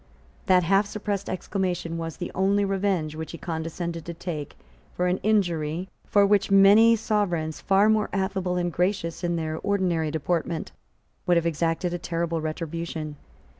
That half suppressed exclamation was the only revenge which he condescended to take for an injury for which many sovereigns, far more affable and gracious in their ordinary deportment, would have exacted a terrible retribution.